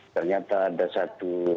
ternyata ada satu